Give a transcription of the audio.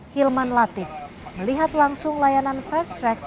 hilman latif melihat langsung layanan fast track